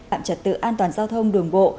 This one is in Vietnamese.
tạm trật tự an toàn giao thông đường bộ